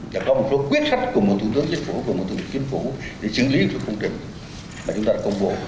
và có một số quyết sách cùng một thủ tướng chính phủ cùng một thủ tướng chính phủ để xử lý được công trình mà chúng ta đã công bố